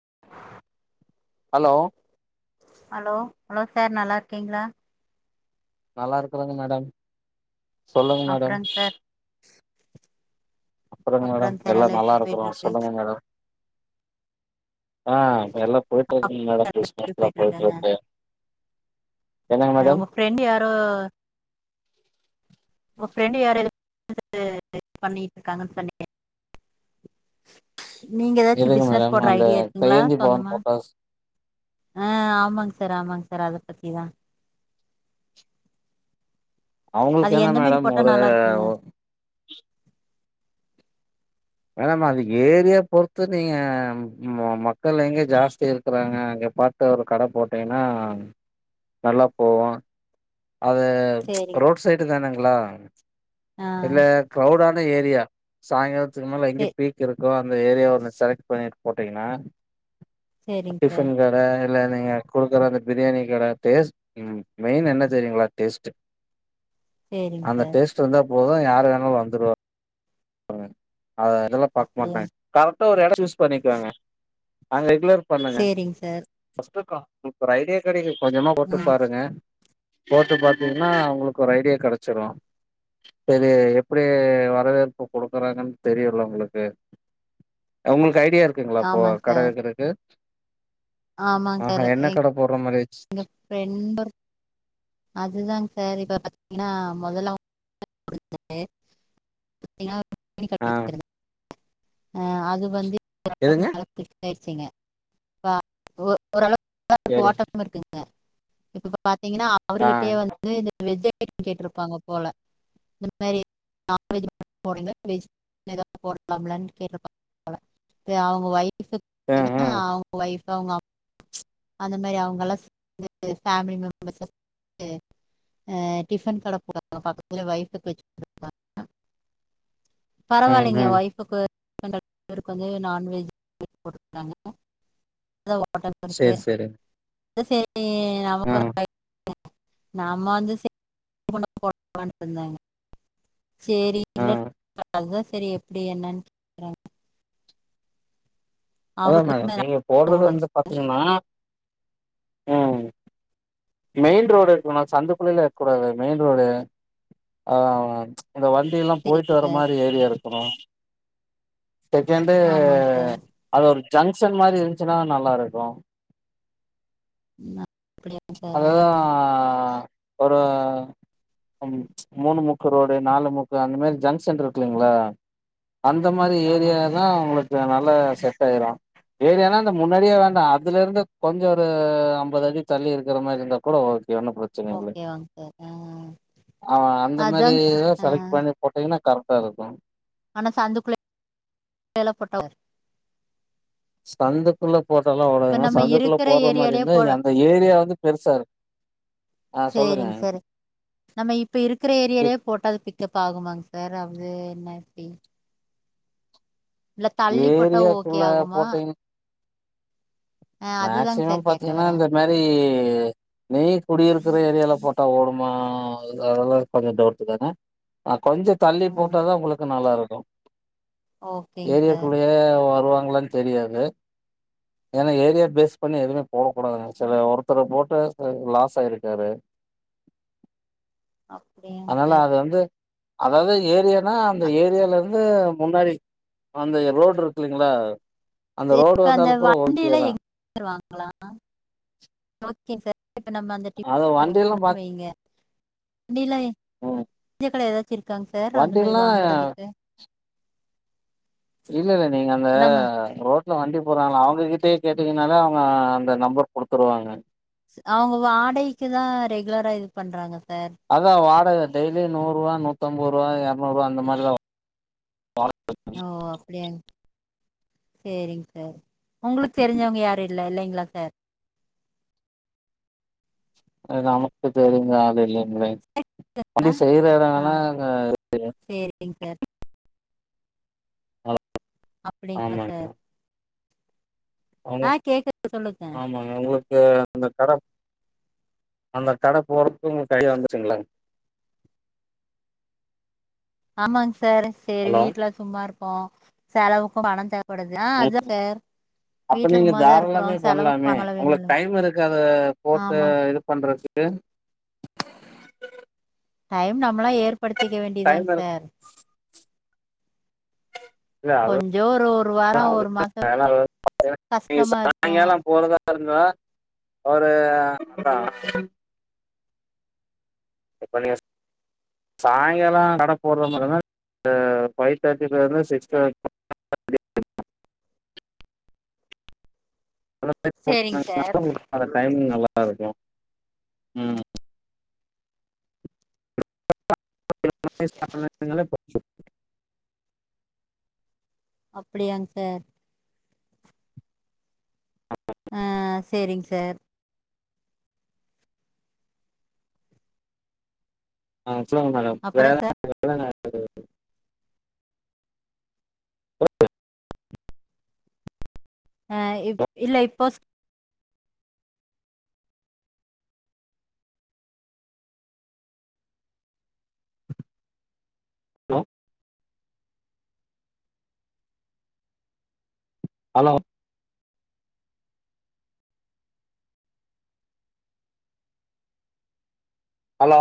[unintelligible] Hello hello hello sir நல்லா இருக்கீங்களா நல்லா இருக்குதாங்க மேடம் சொல்லுங்க மேடம் அப்றம் சர் அப்றங் மேட எல்லா நல்லா எப்டி போயிட்டு இருக்றோ இருக்கு சொல்லுங்க மேடம் ஆ எல்லா போய்ட்டு இருக்குங்க மேடம் எப்டி கிஸ்மஸ்லா போயிட்டு போய்ட்டு இருக்காங்க இருக்கு என்னங்க அஹ் மேடம் உங்க ஃப்ரெண்ட் யாரோ உங்க ஃப்ரெண்டு யார் எலக்ரிசன் வேல பண்ணியிருக்காங்கனு சொன்னீயே நீங்க ஏதாச்சு எதுங்க பிஸ்னஸ் மேடம் போடுற அந்த ஐடியா இருக்குங்ளா கையேந்தி பவன் சொந்தமா போட்டாஸ் ஆமாங்க சார் ஆமாங்க சார் அத பத்திதா அது அவுங்களுக்கென்ன எந்த மாரி மேடம் போட்டா ஒரு நல்லா இருக்குங்க மேடம் அது ஏரியா பொருத்து நீங்க ம மக்கள் எங்க ஜாஸ்தி இருக்குறாங்க அங்க பாத்து ஒரு கட போட்டீங்னா நல்லா போவோ அது ப்ச் சேரிங் ரோட் சைடு தானுங்ளா ஆ இல்ல கவுடா நல்ல ஏரியா சாய்ங்காலத் மேல சே எங்க பேய்கரது கோ அந்த ஏரியாவா வந்து செலக்ட் பண்ணிட் போட்டீங்னா சேரிங் சார் டிஃபன் கட இல்ல நீங்க குடுக்குற அந்த பிரியாணிகட டேஸ்ட் மெயின் என்ன தெரியுங்ளா டேஸ்டு சேரிங் அந்த சார் டேஸ்டு வந்தாப் மொத யாரு வேணாலு வந்துருவ ஆ அத அதெல்லா பாக்க அப்டியா மாட்டாங்க கரெக்ட்டா ஒரு எட சூஸ் பண்ணிக்கோங்க அங்க க்ளியர் பண்ணுங்க சேரிங் சார் ஃபஸ்ட்டு கா சூப்பர் ஐடியா கெடைக்குது கொஞ்சமா போட்டு ம் பாருங்க போட்டு பாத்தீங்னா ஒங்களுக்கு ஒரு ஐடியா கெடச்சிரு இப்ப இது எப்டி வரவேற்ப் பு குடுக்குறாங்கன் தெரியல்ல ஒங்ளுக்கு அவுங்களுக் ஐடியா இருக்குங்ளா இப்போ ஆமாங் கட சார் வக்குறக்கு ஆமாங் ஆகா சார் என்ன கட போட்ற மாரிக் எங்க ப்ரெண்டு ஒரு அதுதாங் சார் இப்ப பாதீங்னா மொதல அவுங் [unintelligible] கிரெடிட் கார்டு ஆ வச்சிருந்தேன் அ அது வந்து எதுங்க [unintelligible] ச்சிங்க அ ஒ ஓரளவு எல்லாரு சேரி [unintelligible] இருக்குங்க இப்ப பாத் திங்கனா ஆ அவர்கிட்டே வந்து இந்த வெஜ் அ கேட் கேட்டிருப்பாங்க போல இந்த மாதிரி நான்வெஜ் போடலலனு கேட்ருப்பாங்க போல அவங்க வைப் [unintelligible] ம் என்னன்னா ம் அவங்க வைஃப் [unintelligible] அந்த மாரி அவங்க எல்லா சேர்ந்து பேமிலி மெம்பர்ஸ் சேந்து அ டிபன் கடை போடுவாங்க ஃவைப்புக்கு வச்சு குடுத்திருப்பாங்க ம் பரவாயில்லைங்க ம் ஒய்ஃபுக்கு [unintelligible] பேருக்கு வந்து நான்வெஜ் குடுத்தாங்க [unintelligible] ஓட்டல் வருது சேரி சேரி இது சேரி இ அவன் ஆ ஒரு [unintelligible] [unintelligible] நாம வந்து ச [unintelligible] போட இருந்தாங்க சேரி ஆ இல்ல செரி எப்டி என்னன்னு கேக்றாங்க அதான் மேடம் அவங்களுக்குமே நான் நீங்க போடுறது ஓடுது வந்து பாத்தீங்கன்னா ம் மெயின் ரோடு இருக்குனா சந்தக்குள்ளல இருக்கக் கூடாது மெயின் ரோடு ஆ இந்த வண்டிய எல்லா போயிட்டு சரிங்க வர சார் மாரி ஏரியா இருக்கு அப்றோ செகண்டு ஆமாங்க சார் அது ஒரு ஜங்ஷன் மாரி இருந்துச்சுன்னா நல்லா இருக்கும் நா எப்டி [unintelligible] ஒர ம் மூணு முக்கு ரோடு நாலு முக்கு அந்த மாரி ஜங்ஷன் இருக்குல்லீங்களா அந்த மாரி ஏரியா ஆமாங்க தா உங்களுக்கு நல்லா செட் ஆயிரும் ஏரியானா அந்த முன்னாடியே வேண்டாம் அதுல இருந்து கொஞ்சம் ஒரு ஐம்பது அடி தள்ளி இருக்கிற மாரி இருந்தா கூட ஓ இது ஒன்னும் பிரச்சனை இல்ல ஓகேவாங்க சார் ஆ, ஆ அந்த மாரி அதாங்க சார் ஆ, செலக்ட் பண்ணி போட்டீங்கன்னா கர் சருக்கும் ஆனா சந்துக்குள்ள [unintelligible] சந்துக்குள்ள போட்டாலா இப்ப ஓடாதுன்னா நம்ம சந்துக்குள்ள இருக்கிற போடுற மாரி ஏரியாலயே இருந்தா போ அந்த ஏரியா வந்து பெருசா இருக்கு ஆ சொல்லுங்க சரிங்க சார் நம்ம இப்ப இருக்க ஏரியாலயே போட்ட அது பிக்கப் ஆகுமாங்க சார் அது என்ன எப்டி ஏ போட்டா ஓகே ஏரியாக்குள்ள ஆகுமா போட்டேன் ஆ, அதுதாங்க மேக்சிமம் சார் கேட்க பாத்தீங்கன்னா வரேன் இந்த மாரி ஏ நீ குடியிருக்கிற ஏரியால போட்டா ஓடுமா ஆ அதாம் கொஞ்ச நேரத்துதானே கொஞ்சம் தள்ளி ஆ, போட்ட தா உங்களுக்கு நல்லா இருக்கும் ஹலோ ஓகேங்க சார் ஏரியாக்குள்ளயே வருவாங னு தெரியாது ஏன்னா ஏரியா பேஸ் பண்ணி எதுவுமே போடக்க கூடாது சில ஒருத்தர் போட்டு லாஸ் ஆயிருக்காரு அப்படியாங் அதனால சார் அது வந்து அதாவது ஏரியானா அந்த ஆ, ஏரியால இருந்து முன்னாடி அந்த ரோடு இருக்குங்களா ச இப்ப அந்த வண்டியில எங்க வாங்களாம் ஒகே சார் இப்ப நம்ம அந்த அது வண்டியெல்லாம் பாத் வைங்க ம். [unintelligible] வச்சிருக்காங்க சார் அந்த மாரி வண்டியெல்லாம் வாங்குறதுக்கு இல்ல இல் நீங்க அந்த நம்ம ரோட்ல வண்டி போறாங்கள அவங்ககிட்டயே கேட்டு டிங்கனால அவங்க அந்த நம்பர் குடுத்துருவாங்க அவங்க வாடகைக்கு தா ரெகுலரா இது பண்றாங்க சார் அதா வாடக டெய்லி நூறு ரூபா நூத் ஐம்பது ரூவா இருநூறுவா அந்த மாரிலா வரும் [unintelligible] ஏ சரிங்க சார் உங்களுக்கு தெரிஞ்சவங்க யாரு இல்ல இல்லைங்களா சார் நமக்கு தெரிந்த அளு இல்ல அப்படி செய்ற ஆ இடங்கல்லா அ சரிங்க சார் அப்டிங்களா சார் அவங்க ஆ கேக்குது சொல்லுங்க ஆமாங்க உங்களுக்கு அந்த கட அந்த கட போறக்குங் உங்க கைல வந்துருங்களா ஆமாங்ச சரி சரி வீட்டுல சும்மா இருக்கு இப்போ செலவுக்கு பணோ தேவ அப்ப வீட்டுல நீங்க சும்மாதான் தாராளாமே இருக்கிறோம் செலவுக்கு பண்ணலாமே பணம் உங்களுக்கு வேணும்ல டைம் இருக்கது போட்டு ஆமா இது பண்றதுக்கு ச டைம் நம்மளா ஏர் படுத்திக்க வேண்டியதாங் சார் இருக்குல்ல அது கொஞ்சோ ஒரு ஒரு வாரோ ஒரு மாசோ ஏன்னா கஷ்டமா இருக்கு அதுனால இருந்த ஒரு அ இப்ப நீங்க சாயங்காலோ கட போடுற மாதிரி ஃபைவ் தேர்ட்டிக்கு இருந்து சிக்ஸ் தே சேரிங் சார் [inaudible] அத டைமிங் நல்லா இருக்கு ம் [inaudible] அப்படியாங்க சார் சர் ஆ சொல்லுங்க மேடம் அப்புறோ வேற சார் ஆ இ இல்ல இப்போ ஹலோ ஹலோ